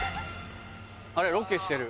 あれロケしてる。